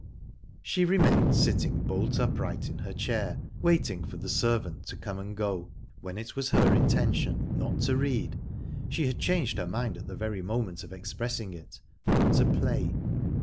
She remained sitting bolt upright in her chair, waiting for the servant to come and go, when it was her intention, not to read she had changed her mind at the very moment of expressing it but to play.